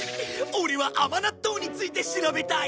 オレは甘納豆について調べたい。